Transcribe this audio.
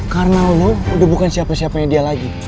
karena lo udah bukan siapa siapanya dia lagi